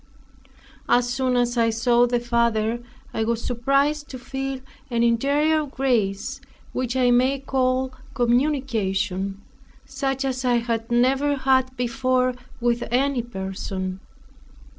As soon as I saw that father, I was surprised to feel an interior grace, which I may call communication; such as I had never had before with any person.